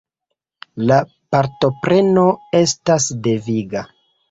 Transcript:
La partopreno estas deviga.